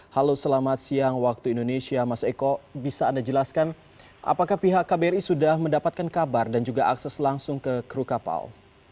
halo selamat siang waktu indonesia mas eko bisa anda jelaskan apakah pihak kbri sudah mendapatkan kabar dan juga akses langsung ke kru kapal